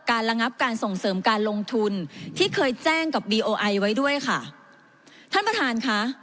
ระงับการส่งเสริมการลงทุนที่เคยแจ้งกับบีโอไอไว้ด้วยค่ะท่านประธานค่ะ